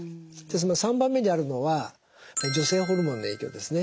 その３番目にあるのは女性ホルモンの影響ですね。